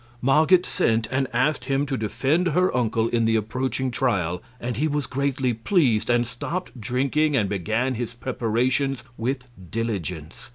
Marget sent and asked him to defend her uncle in the approaching trial, and he was greatly pleased, and stopped drinking and began his preparations with diligence.